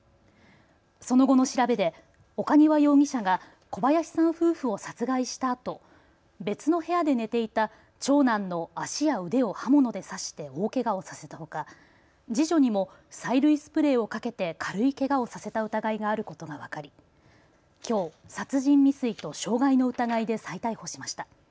その後の調べで岡庭容疑者が小林さん夫婦を殺害したあと別の部屋で寝ていた長男の足や腕を刃物で刺して大けがをさせたほか次女にも催涙スプレーをかけて軽いけがをさせた疑いがあることが分かり、きょう殺人未遂と傷害の疑いで再逮捕しました。